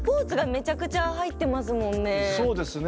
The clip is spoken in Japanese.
そうですね。